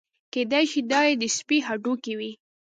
کېدای شي دا یې د سپي هډوکي وي.